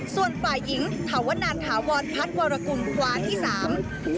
ส่วนฝ่ายหญิงถาวนันถาวรพัฒน์วรกุลคว้าที่สาม